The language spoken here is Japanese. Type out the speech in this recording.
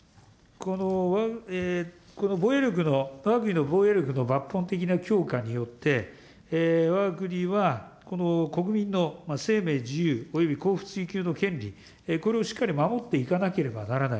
この防衛力の、わが国の防衛力の抜本的な強化によって、わが国は国民の生命、自由および幸福追求の権利、これをしっかり守っていかなければならない。